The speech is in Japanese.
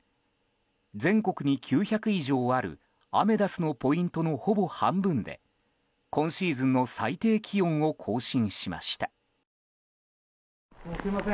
全国に９００以上あるアメダスのポイントのほぼ半分で今シーズンの最低気温を更新しました。